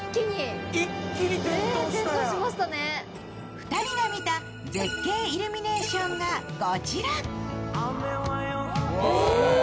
２人が見た絶景イルミネーションがこちら。